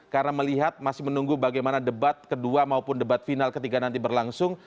karena melihat masih menunggu bagaimana debat kedua maupun debat final ketiga nanti berlangsung